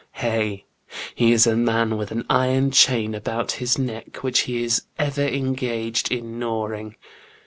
Hey, he is a man with an iron chain about his neck, which he is ever engaged in gnawing.